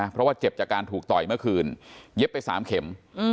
เพราะว่าเจ็บจากการถูกต่อยเมื่อคืนเย็บไป๓เข็ม